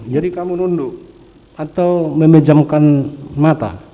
jadi kamu nunduk atau memejamkan mata